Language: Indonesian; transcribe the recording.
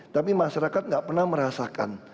tapi masyarakat nggak pernah merasakan